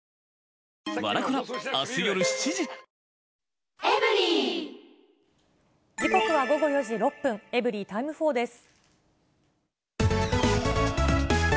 メロメロ時刻は午後４時６分、エブリィタイム４です。